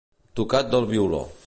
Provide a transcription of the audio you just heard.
Tocat del violó.